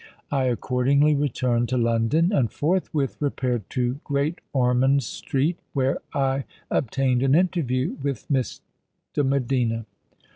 I accordingly returned to London, and forthwith repaired to Great Ormond Street, where I obtained an interview with Miss de Medina.